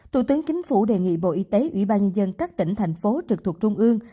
thủ tướng chính phủ đề nghị bộ y tế ủy ban nhân dân các tỉnh thành phố trực thuộc trung ương